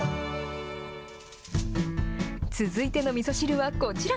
続いてのみそ汁はこちら。